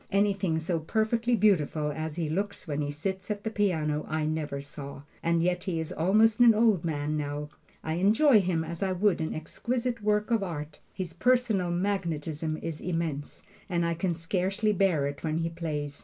Anything so perfectly beautiful as he looks when he sits at the piano I never saw, and yet he is almost an old man now. I enjoy him as I would an exquisite work of art. His personal magnetism is immense, and I can scarcely bear it when he plays.